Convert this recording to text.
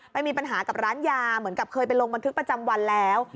มีปัญหากับร้านยาเหมือนกับเคยไปลงบันทึกประจำวันแล้ว